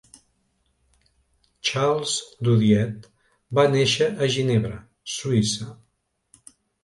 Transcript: Charles Doudiet va néixer a Ginebra, Suïssa.